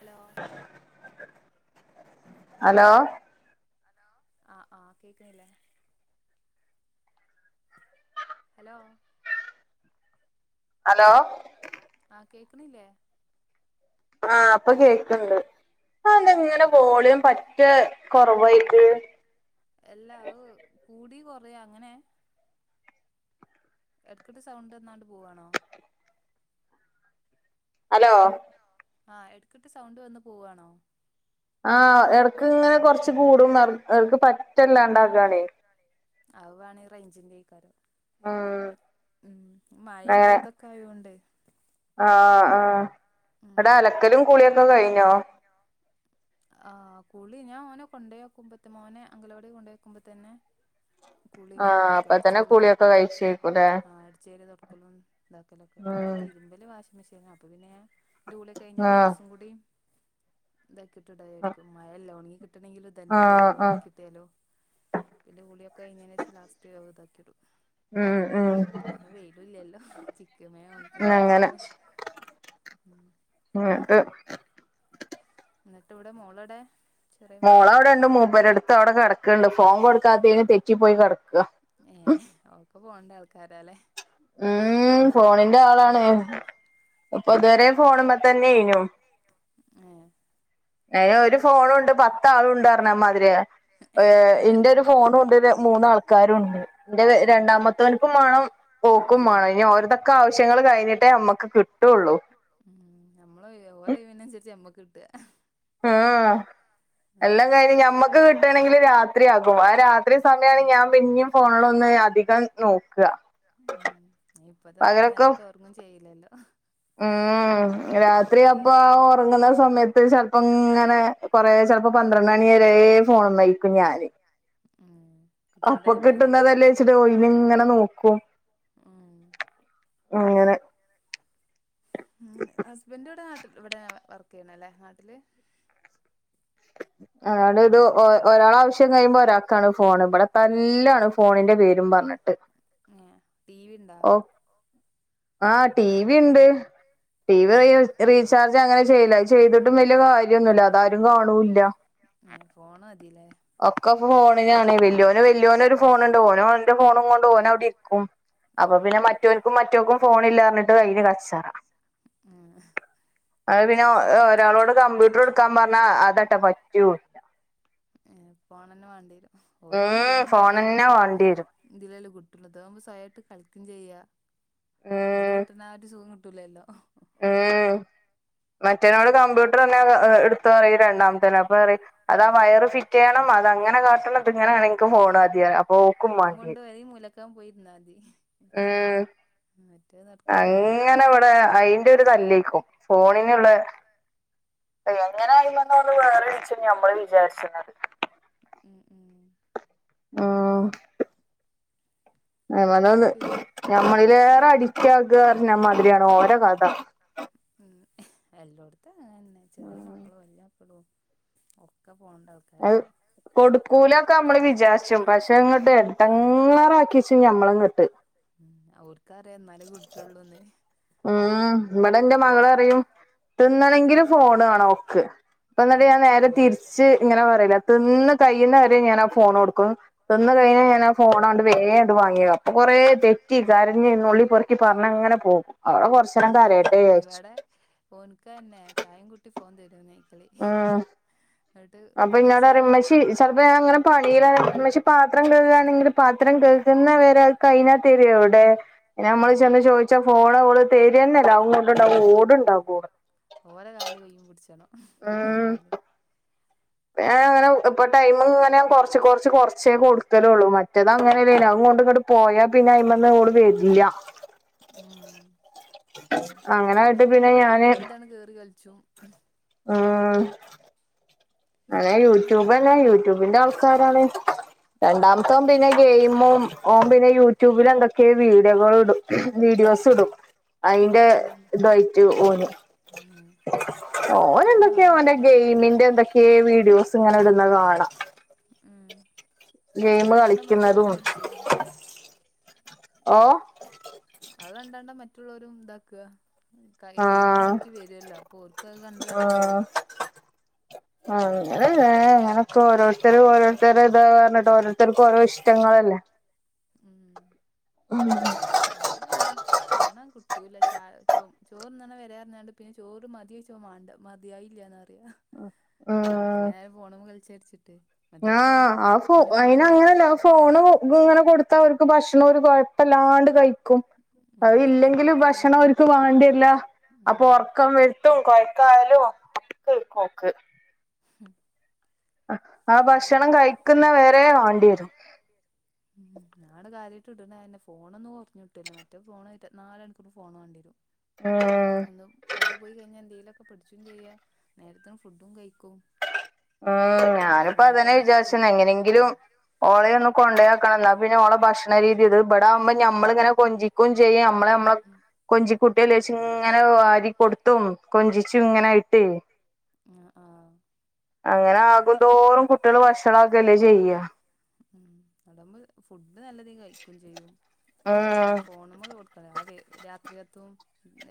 Hello hello ആഹ് ആഹ് കേക്ക്ണില്ലേ? ഹലോ അലോ ഹലോ ആഹ് കേക്ക്ണില്ലേ? ആഹ് പ്പൊ കേക്ക്ണ്ട് ആ എന്താ ഇങ്ങനെ വോളിയം പറ്റേ കൊറവായിക്ക് അല്ലാ അത് കൂടിം കൊറയാ അങ്ങനെ എട്ക്ക്ട്ട് സൗണ്ട് വന്നാണ്ട് പോവാണോ? അലോ അലോ ആഹ് എട്ക്ക്ട്ട് സൗണ്ട് വന്ന് പോവാണോ? ആഹ് എടക്ക് ങ്ങനെ കൊറച്ച് കൂടുന്നറിം എടക്ക് പറ്റാല്ലണ്ടാവാണേ അത് വാണേ റെയ്ഞ്ചിന്റെക്കാരം. ആഹ് ഉം മയന്റെ ഇതൊക്കായോണ്ടെ ആഹ് ആഹ് അവടെ അലക്കലും കുള്യൊക്കെ കഴിഞ്ഞോ? ആഹ് കുളി ഞാ ഓനെ കൊണ്ടായാക്കുമ്പത്ത മോനെ അങ്കലവാടി കൊണ്ടയക്കുമ്പോ തന്നെ കുളി വേം കയിക്കും അട്ച്ചേരലും തൊടക്കലും ആഹ് അട്ച്ചേരലും തൊടക്കലും ഇതാക്കലൊക്കെ പിന്നെ തിര്മ്പല് വാഷിംഗ് മെഷീന അപ്പൊ പിന്നെ ഞാൻ ൻ്റെ കുളി കഴിഞ്ഞാട്ട് ഡ്രസ്സും കൂടിം താക്കിട്ട്ടാചാരിക്കും മഴല്ലെ ഒണങ്ങി കിട്ടണെങ്കില് തന്നെല്ലെ അയ്ലൊൻക്കിട്ട്യാലോ പിന്നെ കുള്യൊക്കെ കഴിഞ്ഞേൻ്റെഷം ലാസ്റ്റ് അത് താക്കിടും. ഉം ഉം പിന്നെ വെയിലുല്ലല്ലോ ചിക്ക വേം തിര്മ്പിട്ട്ട്ട് അങ്ങനെ ഉം [unintelligible] ന്നട്ട് എവടെ മോളവടെ? മോളവടെണ്ട് മൂപ്പരട്ത്ത് അവടെ കെടക്ക്ണ്ട് ഫോൺ കൊട്ക്കാത്തേന് തെറ്റിപ്പോയി കെടക്ക. ഏഹ് ഓക്കെ ഫോൺറ്റാൾക്കാരാല്ലേ. ഉം ഫോണിൻ്റാളാണ് ഇപ്പതെരെ ഇതരെ ഫോണ് മ്മെ തന്നെനു എഹ് അയ്ന് ഒര് ഫോണുണ്ട് പത്താളുണ്ടർഞ്ഞ മാതിര്യാ. ഏഹ് ഇൻ്റൊരു ഫോണുണ്ട് ര മൂന്നാൾക്കാരുണ്ട് ന്റെ വെ രണ്ടാമാത്തൊന്ക്കും മാണം ഓക്കും മാണം ഇനി ഓര്തൊക്കെ ആവശ്യങ്ങൾ കഴിഞ്ഞിട്ടേ അമ്മക്ക് കിട്ടൊള്ളൂ. ഉം അമ്മളൊഴിവ ഓരോഴ് വിനൻസരിച്ച അമ്മക്ക്ട്ടാ. ആഹ് എല്ലാം കൈന് ഞമ്മക്ക് കിട്ട്ണെങ്കില് രാത്രിയാകും ആഹ് രാത്രി സമ്യാണ് ഞാംപിന്നിം ഫോൺലൊന്ന് അധികം നോക്കാ ഉം ഐന് ഇപ്പത്തെ മക്കള് നേര്ത്തെ ഒർങ്ങും ചെയ്യില്ലല്ലോ ഉം രാത്രി അപ്പാെ ആഹ് ഒറങ്ങ്ണ സമയത്ത് ചെൽപ്പം ഇങ്ങനെ കൊറേ ചെൽപ്പം പന്ത്രണ്ടണിരേ ഫോൺമ്മെ ഇര്ക്കും ഞാന് ഉം അപ്പൊകിട്ട്ന്നതല്ലേ ച്ട്ട്ഒയ്ഞ്ഞ് ഇങ്ങനെ നോക്കും ഇങ്ങനെ ഉം ഹസ്ബെൻ് ഇവ്ടെ നാട്ടിൽ ഇവ്ടെ വ വർക്കിയ്യ്ണല്ലേ നാട്ടില് അവടാടെടൂ ഒ ഒരാളാവശ്യം കയ്യുമ്പാെ ഒരാക്കാണ് ഫോണ് ഇബടെ തല്ലാണ് ഫോണിന്റെ പേരും പർണ് ട്ട് ഏഹ് ടി വി ണ്ടാ ആഹ് ടി വി ണ്ട് ടി വി റീ റീചാർജ് അങ്ങനെ ചൈല അത് ചെെത്ട്ടും വല്യ കാര്യന്നുല്ല അതാരും കാണൂല്ല ഇല്യാ നേ ഫോണതിലേ ഒക്കെ ഫോണിനാണ് വെല്യോന് വല്യോനൊരു ഫോണ് ണ്ട് ഓന്ഓൻ്റെ ഫോണും കൊണ്ട് ഓനവ്ടെര്ക്കും അപ്പൊ പിന്നെ മറ്റോൻക്കും മാറ്റോക്കും ഫോണില്ലാറ്ണ് ട്ട് ഐന് കച്ചറ അത് പിന്നെ ഒ ഒരാളോട് കമ്പ്യൂട്ട്റ് ഇട്ക്കാം പർണാ അതട്ടെ പറ്റൂ ഏഹ് ഫോണെന്നെ വാണ്ടേരും ഓര്ക്ക് ഗെെമും കാര്യങ്ങളെക്കെ ഫോണെന്നെ വാണേ ഇതിലല്ലെ കുട്ടാെള്ളത് ഇതാവുമ്പാെ സ്വയായിട്ട് കളിക്കും ചെയ്യാ ഇതില് കിട്ട്ണാഒര്സുഖം കിട്ടൂലല്ലോ ആഹ് മറ്റാെനോട് കമ്പ്യൂട്ട്റ് ന്ന [unintelligible] എട്ത്തോന്നറിം ഇ രണ്ടാമത്തോന് അപ്പറിം അത് ആ വയറ് ഫിറ്റ് റ്റ്യേണം അതഅങ്ങനെ കാട്ടണം ഇത് ഇങ്ങനെ വേണെൻക്ക് ഫോണാതീ അപ്പൊ ഓക്കും വാണ്ട്യേരും ത്തം പോയിര്ന്നാതി ഏഹ് ഉം ഇമ്മത് അങ്ങനെ ഇവടെ അയിന്റെ ഒര്തല്ലേക്കും ഫോണിന്ള്ള എങ്ങനായിന്നർണാല് വേറെവിച്ച് ഞമ്മള് വിചാര്ച്ച്ണത് ഉം ഉം ആഹ് നല്ലതാത് ഞമ്മളിലേറെ അടിക്റ്റാകാർണ മാതിരിയാണ് ഓരാെകഥ ഉം ഖ് എല്ലോട്ത്തും അങ്ങനന്നെ ചെറ്യേമക്കളും വല്യമക്കളും ഒക്കെ ഫോൺണ്ടെ ആൾക്കാരെല്ലേ കൊടുക്കൂല ഒക്കെ നമ്മള് വിചാര്ച്ചും പക്ഷെ ഇങ്ങട്ട് എടങ്ങ്റാക്കിച്ചും ഞമ്മളങ്ങട്ട് ഉം ഓർക്കറിയ ന്നാലേ കിട്ടാെള്ളൂന്നേ ഉം ഇബടെ ഇന്റെ മകളറിയും തിന്ന്ണങ്കിലും ഫോണ് വാണം ഓക്ക്. ഇപ്പന്ന്ട്ട് ഞാൻ നേരെ തിര്ച്ച് ഇങ്ങനെ പറയലാതിന്ന് കയ്യ്ന്നവരെ ഞാനാ ഫോണ് ഒട്ക്കും തിന്ന് കയിഞ്ഞാ ഞാനാ ഫോണണ്ട് വേണ്ട് വാങ്ങിയക്കും അപ്പൊ കൊറേ തെറ്റി കരഞ്ഞ് നുള്ളിപെർ. ക്കി പറ്ണങ്ങനെ പോവും അവടെ കൊർച്ചേരം കരയട്ടേ വിജാര്ച്ചും ഏഹ് ഓൻകഅന്നെ ചായിംകുട്ടി ഫോൺ തെരോന്നൈ ഉം അപ്പൊ ഇന്നോടറിം ഇമ്മച്ചി ചെലപ്പാെ ഞാനങ്ങനെ പണീലാങ്കി ഇമ്മച്ചി പാത്രം കെഴ്കാണെങ്കില് പാ ത്രം കെഴ്ക്ന്ന വരെ അത് കയിഞ്ഞാതെരും എവ്ടെ പിന്നെ ഞമ്മള് ചെന്ന് ചോയിച്ചാ ഫോണ് ഓള് തെര്ന്നെല്ല അവും കൊണ്ട്ണ്ടാവും ഓട്ണ്ടാകും ഓള് അപ്പൊ ഓലെ കാലും കയ്യും പിട്ച്ചണം കിട്ട്ണെങ്കില് ഉം ഇപ്പൊ ഞാനങ്ങനെ ഇപ്പൊ ടൈമ്ങ്ങനെ കൊർച്ച് കൊർച്ച് കൊറച്ചെ കൊട്ക്കലാെള്ളൂ മറ്റേതങ്ങനെപിന്നെ അവും കൊണ്ട്ങ്ങട്ട് പോയാ പിന്നെ ഐമന്ന് ഓള് വെര്ല്യ ഉം അങ്ങനെ ഓൽക്കും അയന്നെ യൂട്യൂബ് ഇതാണ് കേറി കൾച്ചും ഉം മ്. അതെ യൂട്യൂബനെ. യൂട്യൂബിന്റെ ആൾക്കാരാണ്. രണ്ടാമത്തോൻ പിന്നെ ഗെയിമും ഓം പിന്നെ യൂട്യൂബിൽ എന്തൊക്കെയ വീഡിയോകളിടും. വീഡിയോസിടും അയിന്റെ ഇതായിട്ട് ഓന്. ഉംഹ്. ഓൻ എന്തൊക്കെ ഓന്റെ ഗെയിമിന്റെ എന്തൊക്കെ വീഡിയോസ് ഇങ്ങനെ ഇടുന്ന കാണ. ഉം അത്കണ്ടാണ്ട് മറ്റ്ള്ളോരും പഠിച്ചും. ഓ. അത് കണ്ടാണ്ട് മറ്റുള്ളോരും ഇതാക്ക. ഉം ക ഗെയിമ് ബാക്കി വരുല്ലോ അപ്പൊ ഓൽക്കും അത് കണ്ട് കണ്ട്താവും. അങ്ങനെ ങ്ങനെ ങ്ങനൊക്കെ ഓരോരുത്തര് ഓരോരുത്തർ ഇതാ പറഞ്ഞിട്ട് ഓരോരുത്തർക്കോരോഷം. ഇഷ്ടങ്ങളെല്ലെ ഉംഹ്. ഉംഹ്. തും അതന്നെ ഫോണാണ്ട് കിട്ടൂല ച ചോ ചോറ്ന്നണ വരേന്ന്ർഞ്ഞാണ്ട്. പിന്നെ ചോറ് മതിയോച്ച മണ്ട മതിയായില്ലാന്ന് റിയ. കാരണം അത്രയും നേരം ഫോൺമ കളിച്ചൾച്ചിട്ട്. ആഹ് ആ ഫോ അയിന് അങ്ങനെയല്ല ഫോണ് ഇങ്ങനെ കൊടുത്ത അവർക്ക് ഭക്ഷണം ഒരു കൊഴ. വല്ലാണ്ട് കഴിക്കും. അ ഇല്ലെങ്കിൽ ഭക്ഷണം ഓര്ക്ക് വാണ്ട്യര്ല അപ്പൊ ഉറക്കം വെ. ട്ടും കൊഴക്കായാലും ഒക്കരു പോക്ക്. ഉം അ ആ ഭക്ഷണം കഴിക്കുന്ന വരെ വാണ്ട്യരും. ഉം ഞാന് കാര്യാട്ട് ഇടുന്നന്നെ ഫോണൊന്ന് കൊർഞ്ഞിട്ടല്ലോ മറ്റേത് ഫോൺ ഇരുപത് നാലണിക്കൂറും ഫോൺ വാണ്ടിരും. ആഹ്. ഒന്ന് അവിടെ പോയി കഴിഞ്ഞൽ എന്തെേലൊക്കെ പഠിച്ചും ചെയ്യാ നേരത്ത്ന് ഫുഡും കഴിക്കും. ഉം ഞാനിപ്പോ അതന്നെ വിചാരിച്ചുന്നെ എങ്ങനെങ്കിലും ഓളയൊന്ന് കൊണ്ടോയാക്കണം ന്നാ പിന്നെ ഓള ഭക്ഷണ രീതിത് ഇവിടാകുമ്പോ നമ്മൾങ്ങനെ കൊഞ്ചി. ക്കും ചെയ്യ നമ്മളെ നമ്മളെ. കൊഞ്ചികുട്ടിയല്ലെ ച്ച് ഇങ്ങനെ വാരി കൊടുത്തും കൊഞ്ചിച്ചും ഇങ്ങനെ ആയിട്ട്. ആ ആഹ്. അങ്ങനെ ആകും തോറും കുട്ടികൾ വഷളകല്ലെ ചെയ്യ. ആ അടമ് ഫുഡ് നല്ലതീ കഴിക്കും ചെയ്യും ഏത് ഫോണ്. മ്മളക് കൊടുക്ക ആവേ രാത്രികത്തും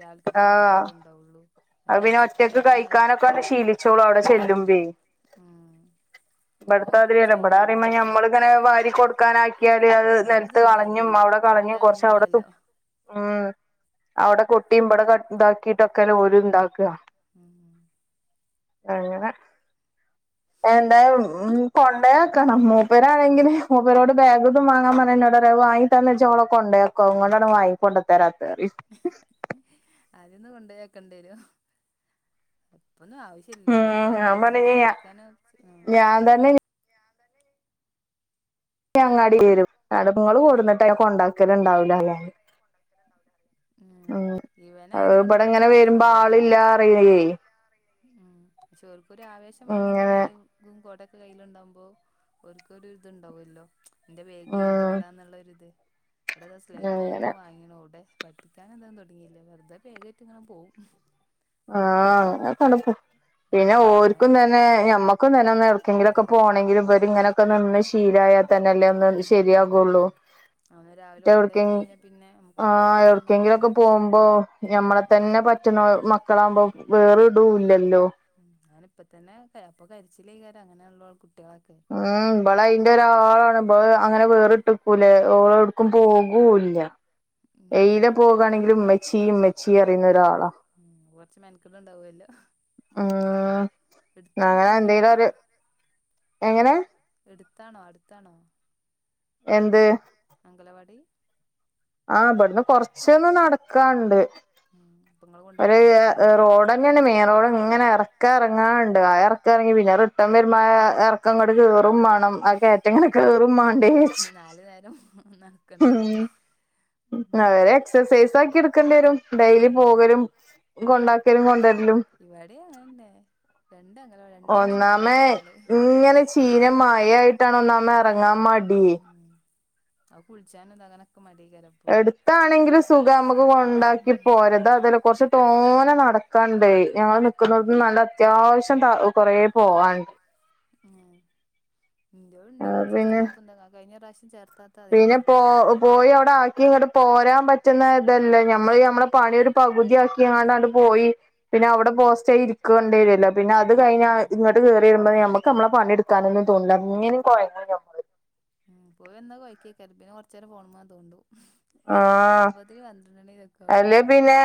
രാവിലക്കത്ത നേരെള്ളു ഉണ്ടാവോള്ളു. അയ് പിന്നെ ഒറ്റയ്ക്ക് കഴിക്കാനൊക്കെഒന് ശീലിച്ചോളൂ അവ്ടെ ചെല്ലുമ്പേയ്. മ് ഇസ്ട്ത്തെതിരിയല്ല ഇമ്പടെ അറിയുമ്പോ ഞമ്മളിങ്ങനെ വാരി കൊടുക്കാനാക്കിയാൽ അത് ന്നെലത്ത് കളഞ്ഞും അവ്ടെ. കളഞ്ഞുംകൊർച്ച് അവ്ടെത്തും ഉം. അവ്ടെ കൊട്ടിം ഇ്പടെ കട് ഇതാക്കിട്ടൊക്കെ ഒലും. ന്താക്ക അങ്ങെനെ. എന്തേഉം കൊണ്ടയാക്കന്നം മൂപ്പേരാണെങ്കില് മൂപ്പേരോട് ബെഗ് ഇതും വാങ്ങാൻ പറഞ്ഞ ഇന്നോട് രറ്യാഅയ് വാങ്ങി. ട്ടെന്നജ്ജോളെ കൊണ്ടോയക്കും അയുങ്ങൊണ്ടാണ് വാങ്ങി കൊണ്ട് ത്തരാത് അറിം ഹ് ഹ്. ആദ്യന്ന കൊണ്ടെയക്കേണ്ടിരോ ഇപ്പോന്നും ആവ്ശ് ഇല്ലല്ലോ വേഗുന്ന ഒന്ന് പഠിപ്പിക്കാന് അ. ഞാൻ തന്നെ. ഞാൻതന്നെ. ഞങ്ങടികോകുമ്പോ ബെഗും ഞാൻ വാങ്ങേണ്ടിരും അത്പോ ഇങ്ങൾ കൊട്ന്ന്ട്ട് അയിന് കൊണ്ടക്കല്ണ്ടാവൂ ലാറിംഞാന്. എ ഇവനാദ്യം കൊണ്ടട്ത് വേഗ്ത്തും കൊണ്ടെയിട്ടില്ല. ആ പഷെ ഓൽക്ക് ഒര ആവേശമാണെങ്കിൽ ബേഗും. ഗുംകോടൊക്കെ കയ്യിലുണ്ടാകുമ്പോ ഒൽക്കൊര് ഇത്ണ്ടാവെല്ലോ. ഇന്റെ ബേഗ് ഇന്റെ കൊടന്നുള്ള ഒരിത് ഇവിടെതാ സ്ലൈറ്റും ന്തൊക്കെ വാങ്ങിണ് യോവ്ടെ. പഠിപ്പിക്കാൻ ഇന്തോന്നും തോട്ങ്ങിയില്ല വെറുതെ ബെഗേറ്റ് ഇങ്ങനെ പോവും. ആ അങ്ങനെക്ണ്പോ പിന്നെ ഓര്ക്കും തന്നെ ഞമ്മക്കും തന്നെഒന്ന് ഒട് ക്കെങ്കിലുംലോക്കെ പോകണമെങ്കിലും ഇവര് ഇങ്ങനെക്കെ നിന്ന് ഒന്ന് ശീലായാ തന്നെല്ലേ ഒന്ന് ശരിയാകൊള്ളൂ. എവ്ടക്കെ ആഹ് എവിടക്കെങ്കിലോക്കെ പോവുമ്പോ. ഞമ്മളെ തന്നെ പറ്റണ മക്കളാവ്മ്പോ വേറ്ടുല്ലല്ലോ. ആ അയ്‌ന് ഇപ്പ തന്നെ കയപ്പൊ കരിച്ചിലൈകാരം അങ്ങനെള്ള കുട്ട്യാളൊക്കെ. ആ ഇബളഅയിന്റെ ഒരാളാണ് ഇമ്പള്അങ്ങനെ വേറ്ട്ട്ക്കൂലേ ഓളോട് ക്കും പോകൂല്ല. എയിലെ പോഗാണെങ്കിലും ഉമെച്ചി മെച്ചി അറിണ ഒരാളാ. ആ കൊറച്ച് മെനക്ക്ട് ഇണ്ടാവല്ലോ ഇട്ത്താണ് അംഗലവാടി. എങ്ങനെ? ഇട്ത്താണോ അടുത്താണോ എന്ത്? അംഗലവാടി. ആ ഇമ്പട്ന്ന് കൊറച്ചൊന്ന് നടക്കാണ്ട് ഒര് എ റോഡ്. ടനെണ് മെയ്ൻ റോഡ് ഇങ്ങനെ എർക്ക എർങ്ങാണ്ട് ആ എർക്ക ഇറങ്ങി പിന്നെറിട്ടം വരുമ്പോ എ അ എർ ക്കങ്ങട്ട് കേറും മാണം ആ കേയറ്റെങ്ങനെ കേറും മാണ്ടേച്ച്. കണ്ടേ. ന്നവരെ എക്സസൈസ് ആക്കി ഇട്ക്കേണ്ടിരും ഡെയിലി പോകലും കൊണ്ടാക്കലും കൊണ്ടെര്ലും. ഇവിടിം യാങ്ങൻനെ. രണ്ട് അംഗലവാടിയാണ്. ഒന്നാമെഇങ്ങനെ ചീന മായായിട്ടാണ് ഒന്നാമെ എറങ്ങാ മടിയേ. ആ കുളിച്ചാനും ഇതാഗനോക്കെ മടിയേകാരം. എട് ത്താണെങ്കിലും സുഖ അമക്ക് കൊണ്ടാക്കി പോര ഇത് അതല്ലാ കൊർച്ച് തോനെ നടക്കാണ്ടെ ഞങ്ങള് നിക് ക്ക്ണോട്ത്ത്ന്ന് നല്ല അത്യാവ്ശം ത കൊറേ പോവാണ്ട്. എ ഇന്റെവുണ്ട് കൊർച്ച് സ്റ്റെപ്പുംഇതൊക്കെ കഴിഞ്ഞ റാവ്ശ്യം ചേർത്ത്. പിന്നെ പോ പോയി അവ്ടെഅയ് എനിക്ക് ഇങ്ങോട്ട് പോരാൻ പറ്റുന്ന ഇതല്ലേ ഞമ്മള് ഞമ്മളെ പണിയൊ ഒര് പകുതിയാക്കിയണ്ടട്ട് പോയി പിന്നെ അവടെ പോസ്റ്റായിയി ഇരിക്കുകേണ്ടി വേരുല്ലോ പിന്നെത് കഴിഞ്ഞാ ഇങ്ങട്ട് കെയറി വേരുമ്പോം ഝമക്ക് ഞമ്മളേ പണിട് ക്കാനോന്നും തോന്നുല്ലാ ഇങ്ങനെ [unintelligible] ഉം പോയി എന്നാ കൊയ്‌ക്കേകാരേം കൊറച്ച് നേരം ഫോൺമേ തോണ്ടും ആഹ് അല്ലേ പിന്നെ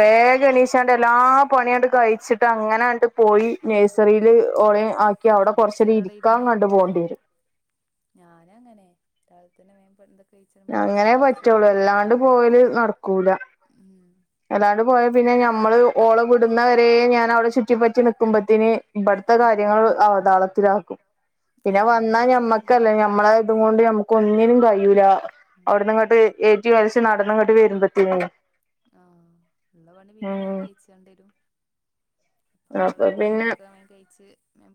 വേഗം എണിച്ച്ണ്ട് എല്ലാ പണിയോട് കഴിച്ചിട്ട് അങ്ങനാട്ട് പോയി നേഴ്സറില് ഓളേ ആക്കി അവടെ കൊറച്ച് ഇ ക്കാൻ കണ്ട് പോണ്ടി വേരു ഞാന് അങ്ങനെ രാവിലെ തന്നെ [unintelligible] [unintelligible] അല്ലാണ്ട് പോവല് നടക്കൂല്ലാ ഉം അല്ലാണ്ട് പോയ പിന്നെ ഞമ്മള് ഓള് വിട്ന്നാ വെരയും ഞാൻ അവടെ ചുറ്റിപ്പറ്റി നിക്കുമ്പാത്തോന് ഇബ്ട്ത്തെ കാര്യങ്ങള് അവതാളത്തിലാക്കും പിന്നെ വന്നാ ഞമ്മക്കല്ലേ ഞമ്മളെ ഇതും കൊണ്ട് ഞമ്മക്ക് ഒന്നിനും കഴിയുല്ലാ അവടന്നാ ങ്ങോട്ട് ഏറ്റി വലിച്ച നടന്ന് ഇങ്ങട്ട് വേര്മ്പോത്തേന് ആഹ് എന്നാ പണി പിന്നെ വേഗം കഴിച്ചോണ്ടേരും ഒപ്പള്ള കുളീം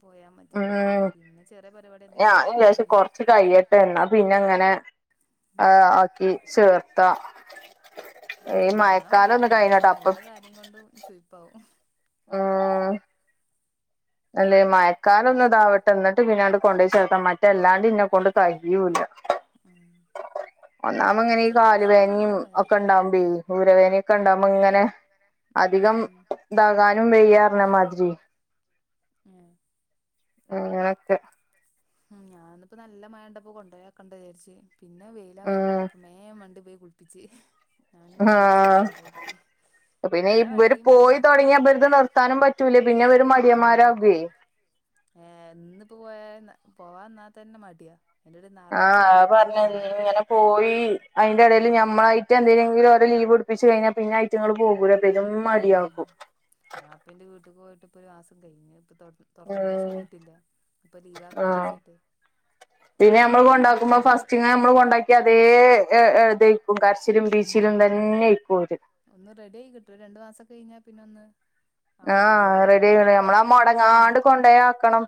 പോയാ മതി പിന്നെ ചെറിയ പരിപാടി ഞാനും വിചാരിച്ച് കൊറച്ച് കൈയ്യോട്ടേ എന്നാ പിന്നേ അങ്ങനെ ആക്കി ചേർത്താ കൊണ്ടുപോണ മാത്രാല്ലാ [unintelligible] എല്ലാ കാര്യം കൊണ്ടും ചുയിപ്പാവും ആഹ് മഴക്കാലം ഒന്ന് ഇതാവട്ടെ എന്നിട്ട് നിന്നെ കൊണ്ട് ചേർക്കാം [unintelligible] മ്മ്ഹ് ഒന്നാമ ഇങ്ങനെ ഈ കാല് വേദനയും ഒക്കെ ഉണ്ടാവ് [unintelligible] വേനയൊക്കെ ഇണ്ടാവുമ്പോ ഇങ്ങനെ അധികം ഇതക്കാനും വയ്യ പറഞ്ഞ മാതിരി ആഹ് ങ്ങളൊക്കെ ഉം ഞാന്നിപ്പോ നല്ല മഴേണ്ടപ്പോ കൊണ്ടയാക്കണ്ടചാരിച്ചു പിന്നെ വെയിലാ വെരുന്നണ്ടപ്പോ മേൻ മണ്ടിപോയി കുളി പ്പച്ച് ഞാനും [unintelligible] പിന്നെ ഇ ഇവര് പോയി തൊടങ്ങിയ ഇത് നിർത്താനും പറ്റൂല്ലാ പിന്നെ അവര് മടിയന്മാരാക്യാ യെ ഇന്ന് പോയ പോവാന്നാത്തന്നെ മടിയാ ആഹ് പറഞ്ഞാ ഇങ്ങനെ പോയി അയിന്റെ എടയില് ഞമ്മളായിട്ട് എന്തേനെങ്കിലും ഓരോ ലീവ് എ വച്ച് കഴിഞ്ഞാ പിന്നെ ഐറ്റങ്ങള് പോകൂല്ലാ പെരും മടിയാകും ഞാ ഇപ്പം എന്റെ വീട്ടി പോയിട്ട് ഇപ്പോ ഒര് മാസം കഴിഞ്ഞ് ഇപ്പാ തോറ തോറന്നേന് ശേഷം പോയിട്ടില്ലാ ഇപ്പൊ ലീവാക്കണ്ടാ വിചാരിച്ചിട്ട് പിന്നെ നമ്മൾ കൊണ്ടാക്ക്മ്പോ ഫസ്റ്റ എങ്ങാനം നമ്മള് കൊണ്ടാക്കിയാ അതേ ആ [unintelligible] രിച്ചിലും പിച്ചിലും തന്നെ ഇക്ക് ഓര് ഒന്ന് റെഡി ആയി കിട്ടം രണ്ട് മാസോക്കെ കഴിഞ്ഞാ പിന്നെ ഒന്ന് ആഹ് റെഡി ആയി നമ്മളാ മൊടങ്ങാണ്ട് കൊണ്ടയ്യി ആക്കണം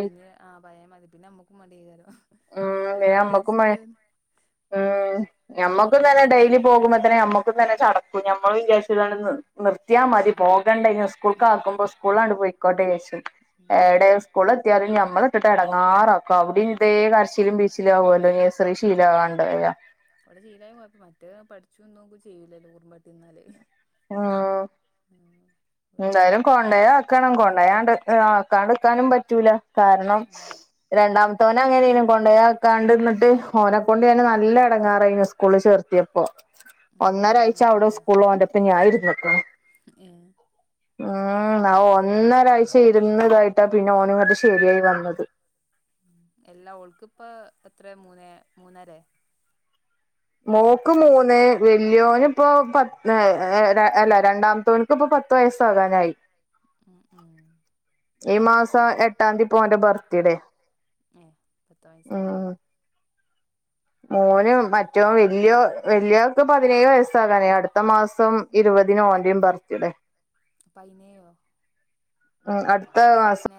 പിന്നെ ആഹ് പഴേ മാതിരി പിന്നെ നമ മടികേറും [unintelligible] ഉം ഞമ്മക്കും തന്നെ ഡെയിലി പോക്മ്പോ തന്നെ ഞമ്മക്കും തന്നെ ചട ഞമ്മള് വിച്ചാരിച്ചാതാണ് നിർ നിർത്തിയാ മതി പോകണ്ടാ സ്കൂൾക്ക് ആക്ക്മ്പോ സ്കൂളാണ് പോയിക്കോട്ടെ വേച്ചു ടെ സ്കൂള് എത്തിലും നമ്മളേ ഇട്ടിട്ട് എടങ്ങാറാക്കും അവടെയും ഇതേ കരച്ചിലും പിഴിച്ചും ആവുല്ലോ അത്ര ശീല [unintelligible] അവടെ ചീലായ കൊയപ്പാ മറ്റേ പഠിച്ച് വന്നന്നും ചെയ്യൂലല്ലോ ഓർമ എന്നാല്ല് ഉം എന്തായാലും കൊണ്ടയാക്കണം കൊണ്ടോയി ആക്കാണ്ട് ഇക്കാനും പറ്റൂല്ലാ കാരണം രണ്ടാമത്തെ ഓനെ അങ്ങനെനും കൊണ്ടയാക്കണ്ട് നിന്നിട്ട് ഓനെ കൊണ്ട് തന്നെ നല്ല ഇട എടങ്ങേറായി സ്കൂളിൽ ചേർത്തിയാപ്പോ ഒന്നരാഴ്ച അവടെ സ്കൂളേ ഓൻൻ്റെ ഒപ്പം ഞാനിരുന്നു ആഹ് ഉം. ന്നാ ഒന്നരാഴ്ച ഇരുന്ന്തായിട്ടാ പിന്നെ ഓനിങ്ങട് ശരിയായി വന്നത്. ഉം എല്ലാ ഓൾക്കിപ്പ എത്രെ മൂന്നേ മൂന്നേരെ മോക്ക് മൂന്ന് വെല്ല്യോന് പ്പോ പത്ത് ഏ ര അല്ല രണ്ടാമത്തോന് ക്ക്പ്പൊ പത്ത് വയസ്സാകാനായി മം ആഹ ഈ മാസ എട്ടാന്തി ഓന്റെ ബർത്ത്ഡേ ഏഹ് പത്ത് വയസ്സാവുല്ലേ മോന് മറ്റോം വെല്ല്യോ വെല്ല്യോക്ക് പതിനേഴ് വയസ്സാകാനേയ് അടുത്ത മാസം ഇരുവതിന് ഓന്റിം ബർത്ത്ഡേ പൈനേഴോ ഉം അടുത്തമാസം